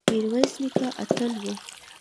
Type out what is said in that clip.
میرویس نیکه اتل و